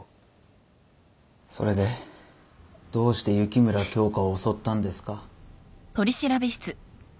それでどうして雪村京花を襲ったんですか？